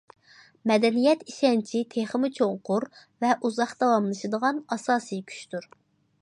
مەدەنىيەت ئىشەنچى تېخىمۇ چوڭقۇر ۋە ئۇزاق داۋاملىشىدىغان ئاساسىي كۈچتۇر.